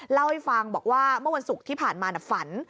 เล่าให้ฟังบอกว่าเมื่อวันศุกร์ที่ผ่านมาฝัน